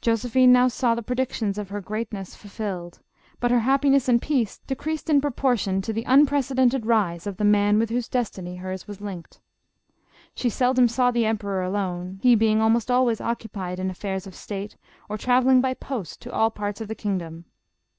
Josephine now saw the predictions of her greatness ful filled, but her happinev«s and peace decreased in propor tion to the unprecedented rise of the man with whose destiny hers was linked. She seldom saw the emperor alone, he being almost always occupied in affairs of state, or travelling by post to all parts of the kingdom.